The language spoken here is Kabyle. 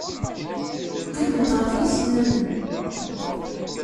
Qqiment ɣef yisennanen.